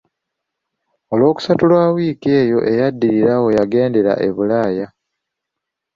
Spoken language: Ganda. Ku Lwokusatu lwa wiiki eyo eyaddirira we yagendera e bulaaya.